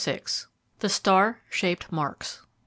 THE STAR SHAPED MARKS.